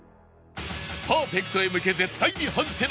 パーフェクトへ向け絶対に外せない